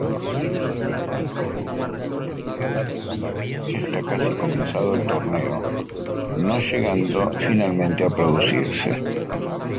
Su participación estuvo pendiente hasta casi comenzado el torneo, no llegando finalmente a producirse.